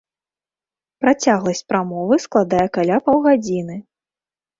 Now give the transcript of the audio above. Працягласць прамовы складае каля паўгадзіны.